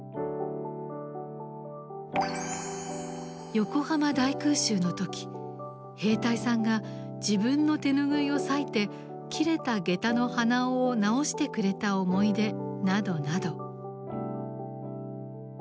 横浜大空襲の時兵隊さんが自分の手ぬぐいを裂いて切れた下駄の鼻緒を直してくれた思い出などなど。